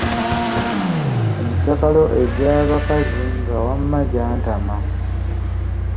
Emikyakalo egy'abakazi nga wamma gyantama.